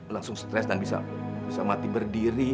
langsung stres dan bisa mati berdiri